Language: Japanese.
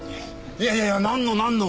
いやいやなんのなんの。